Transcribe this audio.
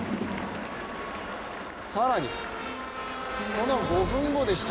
更に、その５分後でした。